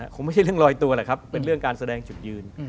คงไม่ใช่เรื่องลอยตัวแหละครับเป็นเรื่องการแสดงจุดยืน